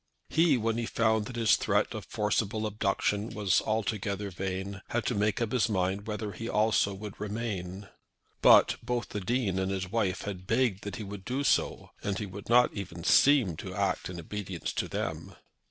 He, when he found that his threat of forcible abduction was altogether vain, had to make up his mind whether he also would remain. But both the Dean and his wife had begged that he would do so, and he would not even seem to act in obedience to them.